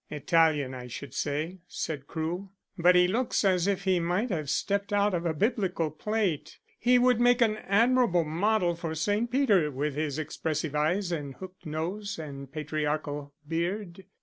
"Italian, I should say," said Crewe. "But he looks as if he might have stepped out of a Biblical plate. He would make an admirable model for St. Peter, with his expressive eyes and hooked nose and patriarchal beard.